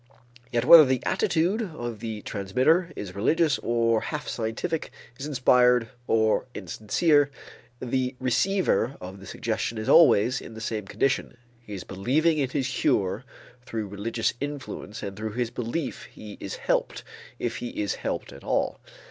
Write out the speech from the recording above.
Yet whether the attitude of the transmitter is religious or half scientific, is inspired or insincere, the receiver of the suggestion is always in the same condition: he is believing in his cure through religious influence and through his belief he is helped, if he is helped at all.